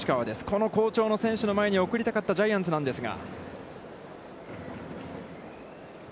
この好調の選手の前に送りたかったジャイアンツなんですが。